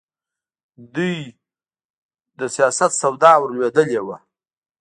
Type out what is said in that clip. دوی د سیاست سودا ورلوېدلې وه.